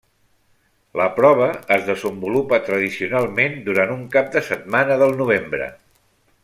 La prova es desenvolupa tradicionalment durant un cap de setmana del novembre.